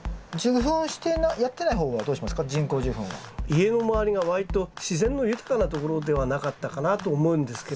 家の周りが割と自然の豊かなところではなかったかなと思うんですけれど。